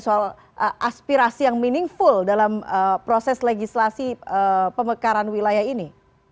soal aspirasi yang meaningful dalam proses legislasi pemekaran wilayah ini